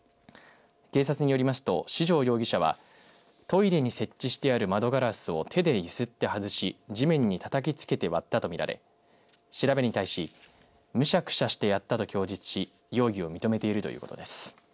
警察によりますと、司城容疑者はトイレに設置してある窓ガラスを手でゆすって外し地面にたたきつけて割ったと見られ調べに対しむしゃくしゃしてやったと供述し容疑を認めているということです。